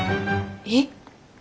えっ？